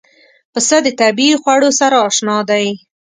پسه د طبیعي خوړو سره اشنا دی.